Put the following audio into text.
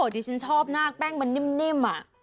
ที่ชนชอบหน้าแป้งมันนิ่มอ่ะ